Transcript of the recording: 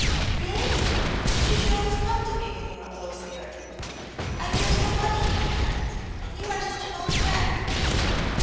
"Really? But you should always come to me when you are low spirited. I feel so much for my friends, and you are such an old friend!"